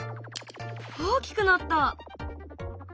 大きくなった。